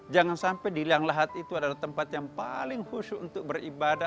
jangan sampai di liang lahat itu adalah tempat yang paling khusus untuk beribadah